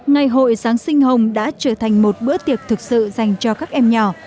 ngày hội giáng sinh hồng đã trở thành một bữa tiệc thực sự dành cho các em nhỏ